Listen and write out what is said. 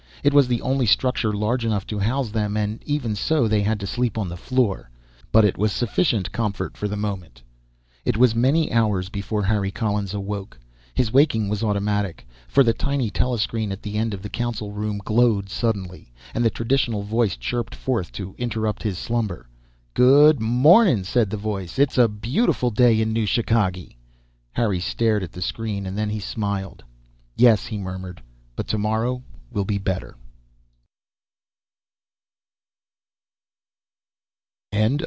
It was the only structure large enough to house them and even so they had to sleep on the floor. But it was sufficient comfort for the moment. It was many hours before Harry Collins awoke. His waking was automatic, for the tiny telescreen at the end of the council room glowed suddenly, and the traditional voice chirped forth to interrupt his slumber. "Good morning," said the voice. "It's a beautiful day in New Chicagee!" Harry stared at the screen and then he smiled. "Yes," he murmured. "But tomorrow will be better."